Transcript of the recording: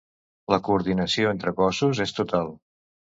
La coordinació entre cossos és total.